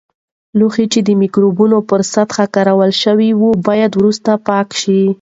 لوښي چې د مکروبونو پر سطحې کارول شوي وي، باید وروسته پاک شي.